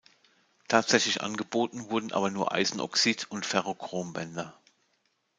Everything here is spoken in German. Tatsächlich angeboten wurden aber nur Eisenoxid- und Ferrochrom-Bänder.